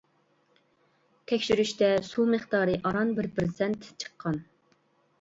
تەكشۈرۈشتە سۇ مىقدارى ئاران بىر پىرسەنت چىققان.